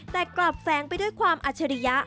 แต่กลับแฝงไปด้วยความอัจฉริยะ